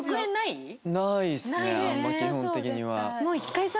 あんま基本的には。